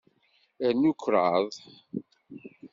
Rnu kraḍ.